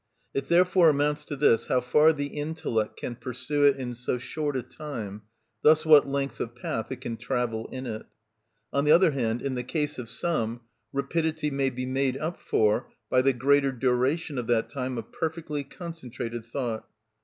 It therefore amounts to this, how far the intellect can pursue it in so short a time, thus what length of path it can travel in it. On the other hand, in the case of some, rapidity may be made up for by the greater duration of that time of perfectly concentrated thought.